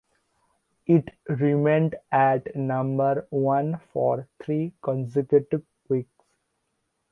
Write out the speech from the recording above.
It remained at number one for three consecutive weeks.